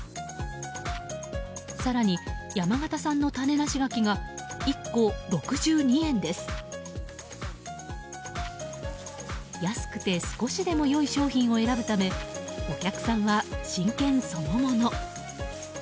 更に、山形産の種なし柿が１個６２円です。安くて少しでも良い商品を選ぶためお客さんは真剣そのもの。